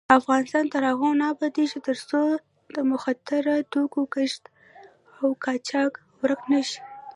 افغانستان تر هغو نه ابادیږي، ترڅو د مخدره توکو کښت او قاچاق ورک نشي.